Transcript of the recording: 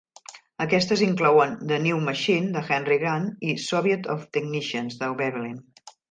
Aquestes inclouen "The New Machine" de Henry Gantt i "Soviet of Technicians" de Veblen.